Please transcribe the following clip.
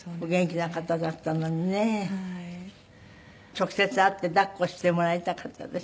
直接会って抱っこしてもらいたかったでしょ。